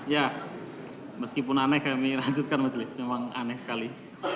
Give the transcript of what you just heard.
ya meskipun aneh kami lanjutkan majelis memang aneh sekali